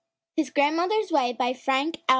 HIS GRANDMOTHER'S WAY BY FRANK L.